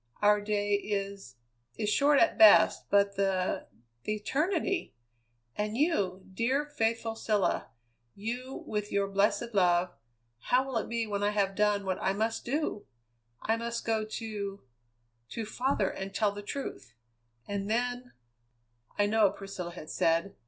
Our day is is short at best, but the the eternity! And you, dear, faithful Cilla! You, with your blessed love, how will it be when I have done what I must do? I must go to to father and tell the truth, and then " "I know," Priscilla had said.